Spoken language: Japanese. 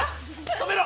止めろ！